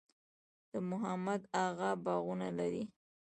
د محمد اغه باغونه لري